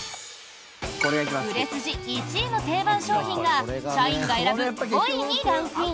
売れ筋１位の定番商品が社員が選ぶ５位にランクイン。